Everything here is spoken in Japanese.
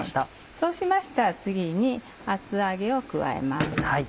そうしましたら次に厚揚げを加えます。